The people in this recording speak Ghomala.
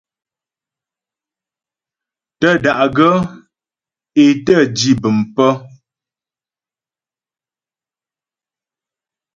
Tə́́ da'gaə́ é tə́ dǐ bəm pə̀.